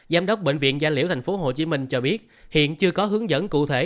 giám đốc bệnh viện gia liễu tp hcm cho biết hiện chưa có hướng dẫn cụ thể